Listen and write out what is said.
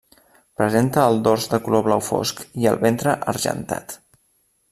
Presenta el dors de color blau fosc i el ventre argentat.